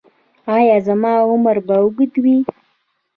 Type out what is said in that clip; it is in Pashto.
ایا زما عمر به اوږد وي؟